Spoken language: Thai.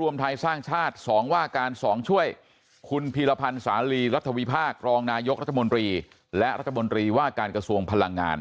รวมไทยสร้างชาติ๒ว่าการ๒ช่วยคุณพีรพันธ์สาลีรัฐวิพากษ์รองนายกรัฐมนตรีและรัฐมนตรีว่าการกระทรวงพลังงาน